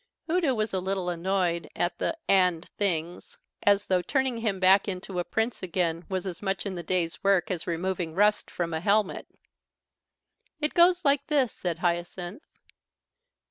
Udo was a little annoyed at the "and things" as those turning him back into a Prince again was as much in the day's work as removing rust from a helmet. "It goes like this," said Hyacinth.